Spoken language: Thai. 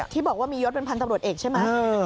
ที่บอกว่ามียศเป็นพันธ์ตำรวจเอกใช่ไหม